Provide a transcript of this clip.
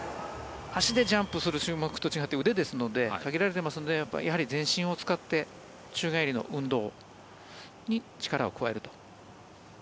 足でジャンプする種目と違って腕ですので、限られてますのでやはり全身を使って宙返りの運動に力を加えると。